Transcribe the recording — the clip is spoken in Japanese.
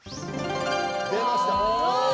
出ました。